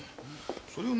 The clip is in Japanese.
それを何？